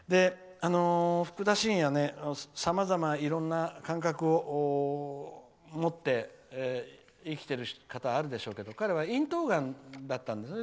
ふくだしんやね、さまざまいろんな感覚を持って生きてる方もあるでしょうけど彼は咽頭がんだったんですね。